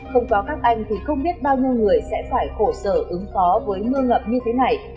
không có các anh thì không biết bao nhiêu người sẽ phải khổ sở ứng phó với mưa ngập như thế này